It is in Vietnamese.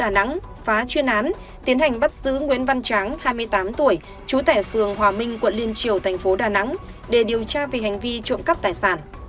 trang phá chuyên án tiến hành bắt giữ nguyễn văn trang hai mươi tám tuổi chú tẻ phường hòa minh quận liên triều tp đà nẵng để điều tra về hành vi trộm cắp tài sản